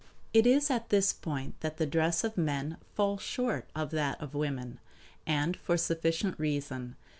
It is at this point that the dress of men falls short of that of women, and for sufficient reason.